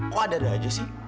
kok ada aja sih